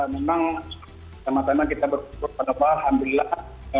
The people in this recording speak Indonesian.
memang sama sama kita alhamdulillah